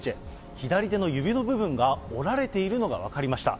左手の指の部分が折られているのが分かりました。